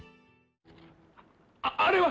ああれは。